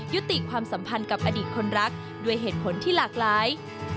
ยุติความสัมพันธ์กับอดีตคนรักด้วยเหตุผลที่หลากหลาย